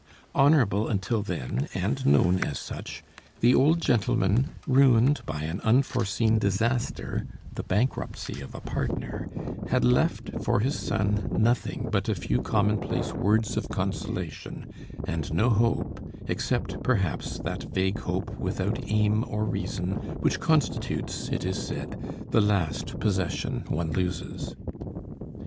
Honorable until then, and known as such, the old gentleman, ruined by an unforeseen disaster (the bankruptcy of a partner), had left for his son nothing but a few commonplace words of consolation, and no hope, except, perhaps, that vague hope without aim or reason which constitutes, it is said, the last possession one loses.